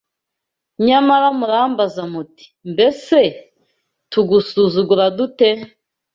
Nyamara murambaza muti ‘Mbese tugusuzugura dute?